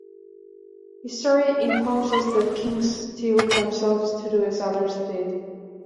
History informs us that kings steeled themselves to do as others did.